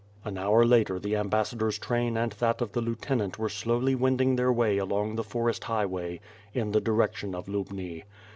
An hour later the ambassador's train and that of the lieu tenant were slowly wending their way along the forest high way in the direction of Lubni.